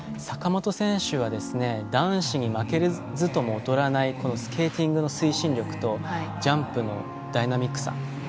坂本選手は男子に勝るとも劣らないスケーティングの推進力とジャンプのダイナミックさ。